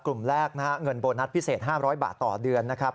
กลุ่มแรกนะฮะเงินโบนัสพิเศษ๕๐๐บาทต่อเดือนนะครับ